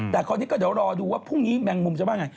แต่คราวนี้ก็เดี๋ยวรอดูว่าพรุ่งนี้แมงมุมจะว่าไง